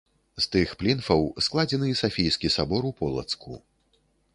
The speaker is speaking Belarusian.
З тых плінфаў складзены Сафійскі сабор ў Полацку.